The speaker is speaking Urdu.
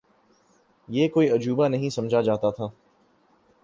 یہ کوئی عجوبہ نہیں سمجھا جاتا تھا۔